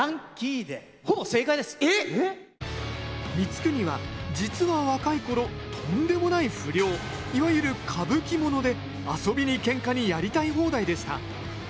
光圀は実は若いころとんでもない不良いわゆる歌舞伎者で遊びにけんかにやりたい放題でした。